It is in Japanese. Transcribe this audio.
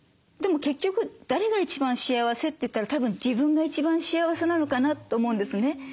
でも結局誰が一番幸せって言ったらたぶん自分が一番幸せなのかなと思うんですね。